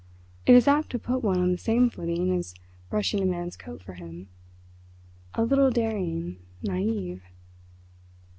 It is apt to put one on the same footing as brushing a man's coat for him—a little daring, naïve.